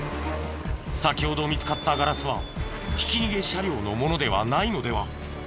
先ほど見つかったガラスはひき逃げ車両のものではないのでは？